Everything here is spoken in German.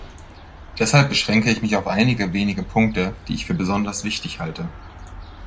Deshalb beschränke ich mich auf einige wenige Punkte, die ich für besonders wichtig halte.